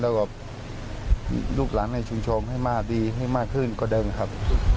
แล้วก็ลูกหลานมาให้ชุมชมให้มากขึ้นก็ด้วยครับ